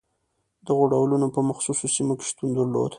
دغو ډولونه په مخصوصو سیمو کې شتون درلود.